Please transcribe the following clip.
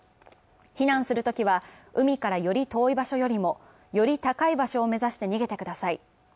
避難するときは海からより遠い場所よりもより高い場所を目指して逃げてください。